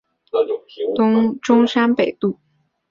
中山北路